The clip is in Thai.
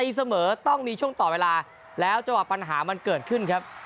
เสมอต้องมีช่วงต่อเวลาแล้วจังหวะปัญหามันเกิดขึ้นครับ